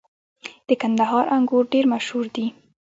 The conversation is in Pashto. • د کندهار انګور ډېر مشهور دي.